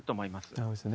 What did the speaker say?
そうですね。